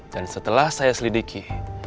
dan setelah saya selidiki